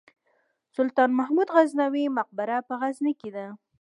د سلطان محمود غزنوي مقبره په غزني کې ده